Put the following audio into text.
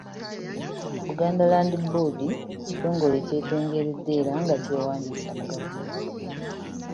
Buganda Land Board kitongole ekyetengeredde era nga kyawandiisibwa mu gavumenti.